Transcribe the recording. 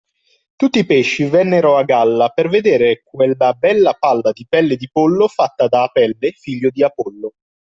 Tutti i pesci vennero a galla per vedere quella bella palla di pelle di pollo fatta da Apelle, figlio di Apollo.